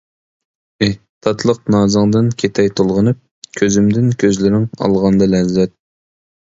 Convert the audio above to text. ئېھ، تاتلىق نازىڭدىن كېتەي تولغىنىپ، كۆزۈمدىن كۆزلىرىڭ ئالغاندا لەززەت.